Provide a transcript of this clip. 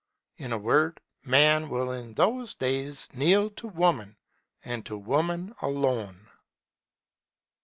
In a word, Man will in those days kneel to Woman, and to Woman alone.